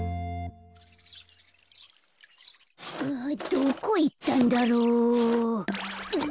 どこいったんだろう。